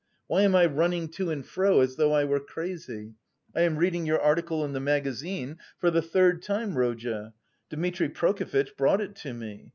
why am I running to and fro as though I were crazy...? I am reading your article in the magazine for the third time, Rodya. Dmitri Prokofitch brought it to me.